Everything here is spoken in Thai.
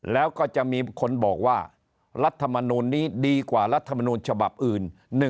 แล้วก็จะมีคนบอกว่ารัฐมนูลนี้ดีกว่ารัฐมนูลฉบับอื่น